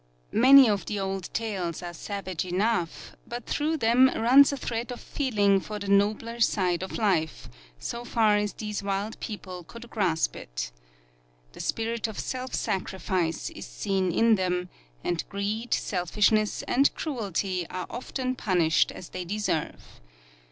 Many of the old tales are savage enough, but through them runs a thread of feeling for the nobler side of life, so far as these wild people could grasp it. The spirit of self sacrifice is seen in them, and greed, selfishness and cruelty are often punished as they deserve.